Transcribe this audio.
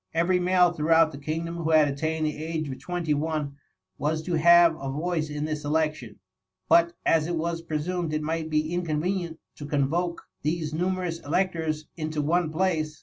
Every male throughout the kingdom who had attained the age of twenty one, was to have a voice in this election ; but as it was presumed it might be inconvenient to convoke these numerous electors into one place.